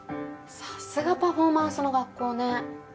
さすがパフォーマンスの学校ね。